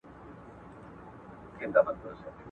صنعتي اووښتون که یوې خوا ته